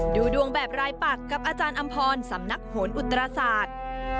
ดูดวงแบบรายปักกับอาจารย์อำพรสำนักโหนอุตราศาสตร์